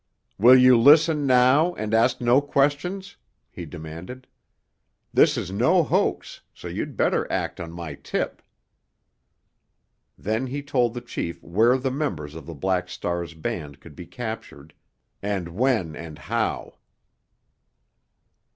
"Will you listen now, and ask no questions?" he demanded. "This is no hoax, so you'd better act on my tip." Then he told the chief where the members of the Black Star's band could be captured, and when and how.